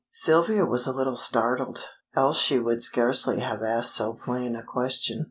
Sylvia was a little startled, else she would scarcely have asked so plain a question.